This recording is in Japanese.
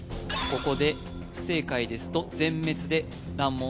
ここで不正解ですと全滅で難問